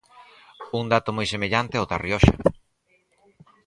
Un dato moi semellante ao da Rioxa.